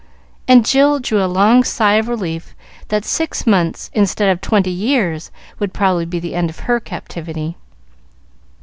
and Jill drew a long sigh of relief that six months instead of twenty years would probably be the end of her captivity.